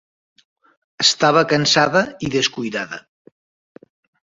Estava cansada i descuidada.